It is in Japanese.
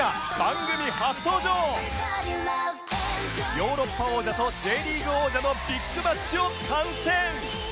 ヨーロッパ王者と Ｊ リーグ王者のビッグマッチを観戦！